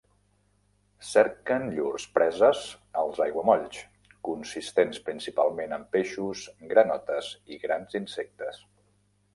Cerquen llurs preses als aiguamolls, consistents principalment en peixos, granotes i grans insectes.